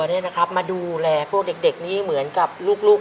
ในแคมเปญพิเศษเกมต่อชีวิตโรงเรียนของหนู